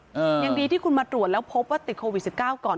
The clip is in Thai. ยังดีที่คุณมาตรวจแล้วพบว่าติดโควิดสิบเก้าก่อน